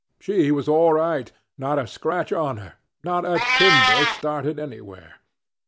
She was all right, not a scratch on her, not a timber started anywhere.